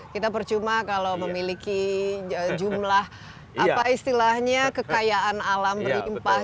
kita percuma kalau memiliki jumlah apa istilahnya kekayaan alam berlimpah